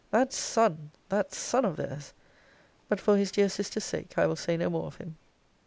That son, that son of theirs! But, for his dear sister's sake, I will say no more of him.